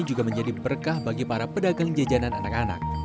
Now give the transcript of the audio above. juga menjadi berkah bagi para pedagang jajanan anak anak